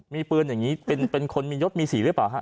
ไม่เปลื้อนอย่างนี้เป็นคนมียดมีสีรึเปล่าค่ะ